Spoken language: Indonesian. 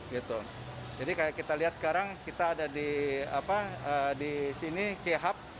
jadi seperti yang kita lihat sekarang kita ada di sini di hub